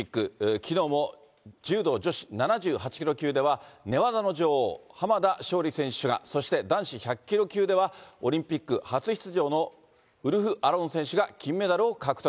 きのうも柔道女子７８キロ級では寝技の女王、浜田尚里選手が、そして男子１００キロ級では、オリンピック初出場のウルフ・アロン選手が金メダルを獲得。